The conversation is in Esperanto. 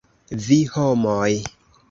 Vi, homoj!